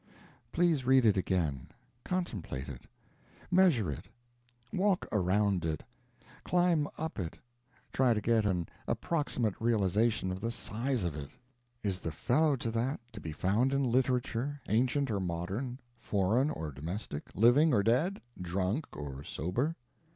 Please read it again; contemplate it; measure it; walk around it; climb up it; try to get at an approximate realization of the size of it. Is the fellow to that to be found in literature, ancient or modern, foreign or domestic, living or dead, drunk or sober?